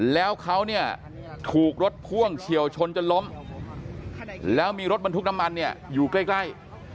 แล้วเขาเนี่ยถูกรถพ่วงเฉียวชนจนล้มแล้วมีรถบรรทุกน้ำมันเนี่ยอยู่ใกล้